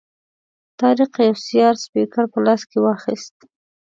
طارق یو سیار سپیکر په لاس کې واخیست.